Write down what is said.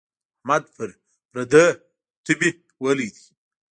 احمد پردۍ تبې وهلی دی.